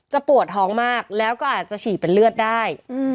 ปวดท้องมากแล้วก็อาจจะฉี่เป็นเลือดได้